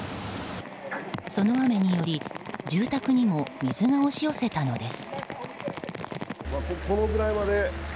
その雨により住宅にも水が押し寄せたのです。